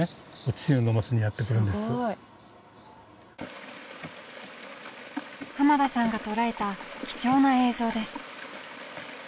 すごい浜田さんが捉えた貴重な映像です